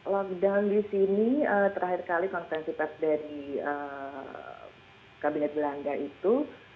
lockdown di sini terakhir kali konferensi pers dari kabinet belanda itu